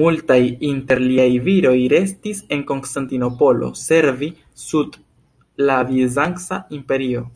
Multaj inter liaj viroj restis en Konstantinopolo servi sub la bizanca imperio.